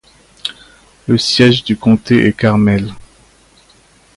Le siège du comté est Carmel.